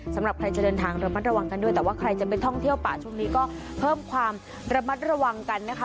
สำหรับใครจะเดินทางระมัดระวังกันด้วยแต่ว่าใครจะไปท่องเที่ยวป่าช่วงนี้ก็เพิ่มความระมัดระวังกันนะคะ